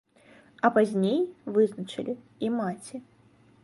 А пазней вызначылі і маці.